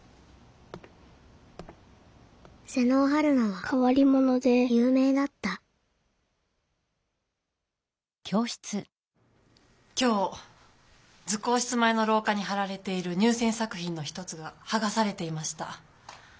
妹尾陽菜はかわりものでゆうめいだった今日図工室前のろうかにはられている入せん作品の一つがはがされていました。